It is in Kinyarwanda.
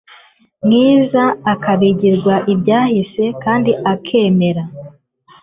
mwiza, akibagirwa ibyahise kandi akemera